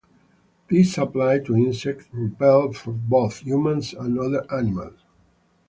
This applied to insect repellent for both humans and other animals.